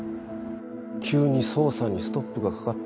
急に捜査にストップがかかった。